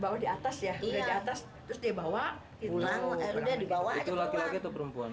udah di bawah itu laki laki atau perempuan